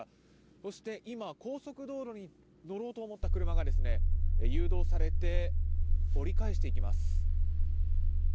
そして、高速道路に乗ろうと思った車が誘導されて折り返していきます。